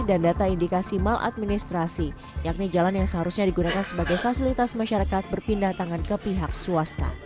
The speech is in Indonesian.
dan data indikasi maladministrasi yakni jalan yang seharusnya digunakan sebagai fasilitas masyarakat berpindah tangan ke pihak swasta